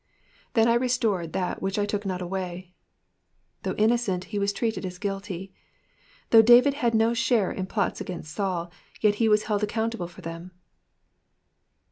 ^^Then IreHared that which I toot not away.''^ Though innocent, he was treated as guilty. Though David had no share in plots again^ Saul, yet he was held accountable for them.